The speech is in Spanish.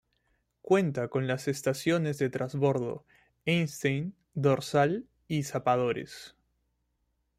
Cuenta con las estaciones de transbordo "Einstein, Dorsal y Zapadores.